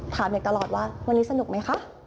เด็กตลอดว่าวันนี้สนุกไหมคะ